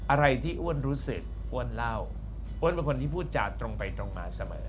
อะไรที่อ้วนรู้สึกอ้วนเล่าอ้วนเป็นคนที่พูดจาตรงไปตรงมาเสมอ